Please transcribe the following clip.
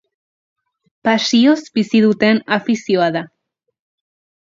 Pasioz bizi duten afizioa da.